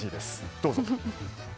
どうぞ。